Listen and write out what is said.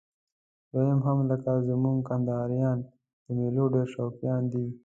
دوی هم لکه زموږ کندهاریان د میلو ډېر شوقیان دي.